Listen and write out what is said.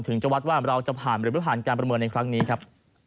ถึงจะวัดว่าเราจะผ่านหรือไม่ผ่านการประเมินในครั้งนี้ครับ